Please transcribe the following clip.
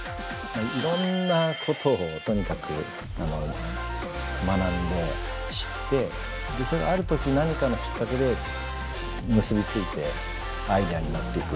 いろんなことをとにかく学んで知ってそれがある時何かのきっかけで結び付いてアイデアになっていくっていう。